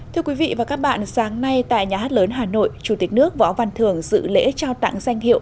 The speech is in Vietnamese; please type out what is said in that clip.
thưa quý vị và các bạn sáng nay tại nhà hát lớn hà nội chủ tịch nước võ văn thường dự lễ trao tặng danh hiệu